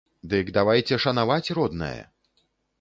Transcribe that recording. Дык давайце шанаваць роднае!